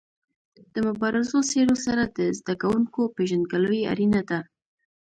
د مبارزو څېرو سره د زده کوونکو پيژندګلوي اړینه ده.